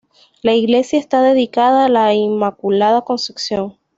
La iglesia está dedicada a La Inmaculada Concepción.